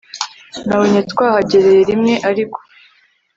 nabonye twahagereye rimwe ariko